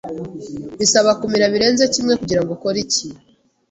Bisaba kumira birenze kimwe kugirango ukore icyi.